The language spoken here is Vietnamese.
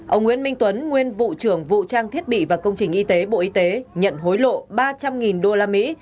ông nguyễn minh tuấn nguyên vụ trưởng vụ trang thiết bị và công trình y tế bộ y tế nhận hối lộ ba trăm linh đô la mỹ